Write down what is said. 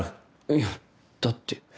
いやだって。